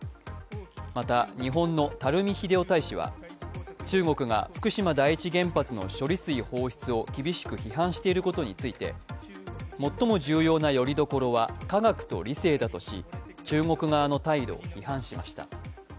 また、日本の垂秀夫大使は、中国が福島第一原発の処理水放出を厳しく批判していることについて最も重要なよりどころは科学と理性だとし中国側の態度を示しました。